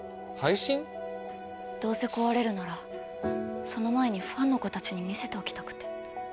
どうせ壊れるならその前にファンの子たちに見せておきたくて。